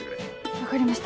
分かりました。